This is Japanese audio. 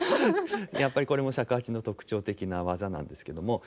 やっぱりこれも尺八の特徴的な技なんですけども。